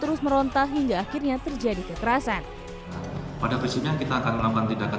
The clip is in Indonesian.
terus meronta hingga akhirnya terjadi kekerasan pada prinsipnya kita akan melakukan tindakan